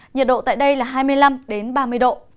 nhiệt độ tại đây là hai mươi năm ba mươi độ